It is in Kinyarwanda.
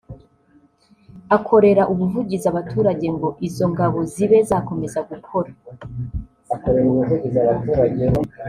akorera ubuvugizi abaturage ngo izo ngabo zibe zakomeza gukora